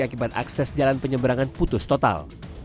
akibat akses jalan penyeberangan putus total